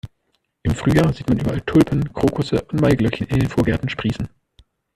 Im Frühjahr sieht man überall Tulpen, Krokusse und Maiglöckchen in den Vorgärten sprießen.